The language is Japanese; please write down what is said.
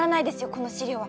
この資料は。